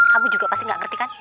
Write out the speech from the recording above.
kamu juga pasti nggak ngerti kan